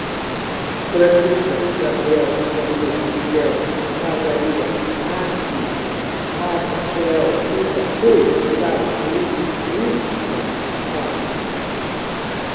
Francisca, Gabriel, Camila, Miguel, Margarida, Martim, Marta, Joel, Rita, Rui, Sara, Luís, Luísa, Fábio